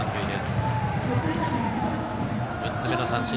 友廣、６つ目の三振。